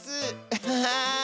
アハハー！